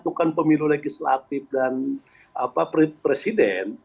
bukan pemilu legislatif dan presiden